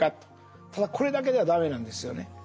ただこれだけでは駄目なんですよね。